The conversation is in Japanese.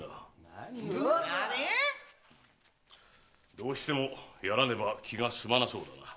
何⁉何⁉どうしてもやらねば気が済まなそうだな。